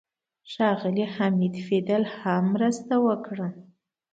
ښاغلي حمید فیدل هم مرسته وکړه.